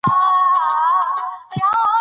هغه د نوي کال ژمنه وکړه.